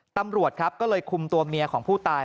ตำรวจครับก็เลยคุมตัวเมียของผู้ตาย